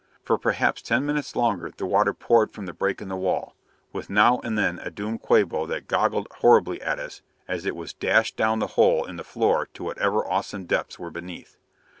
For perhaps ten minutes longer the water poured from the break in the wall, with now and then a doomed Quabo that goggled horribly at us as it was dashed down the hole in the floor to whatever awesome depths were beneath.